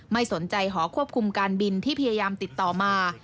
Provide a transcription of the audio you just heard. ไม่สนใจหอควบคุมการบินที่พยายามติดต่อมา